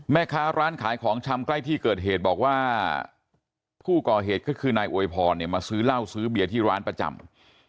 แม่ค้าร้านขายของชำใกล้ที่เกิดเหตุบอกว่าผู้ก่อเหตุก็คือนายอวยพรเนี่ยมาซื้อเหล้าซื้อเบียร์ที่ร้านประจำ